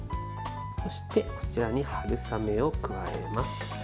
そして、こちらに春雨を加えます。